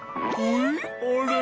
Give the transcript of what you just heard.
あれ？